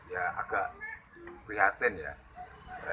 ya agak prihatin ya